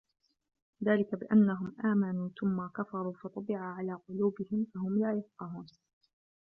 ذلِكَ بِأَنَّهُم آمَنوا ثُمَّ كَفَروا فَطُبِعَ عَلى قُلوبِهِم فَهُم لا يَفقَهونَ